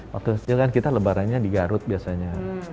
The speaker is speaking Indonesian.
waktu kecil kan kita lebarannya di garut biasanya